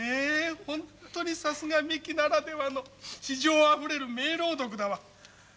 ほんとにさすがミキならではの詩情あふれる名朗読だわ。